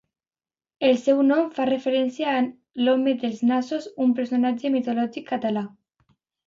El seu nom fa referència a l'home dels nassos, un personatge mitològic català.